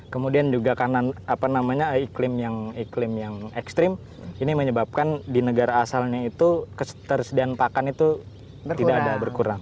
kemudian juga karena apa namanya iklim yang ekstrim ini menyebabkan di negara asalnya itu ketersediaan pakan itu tidak ada berkurang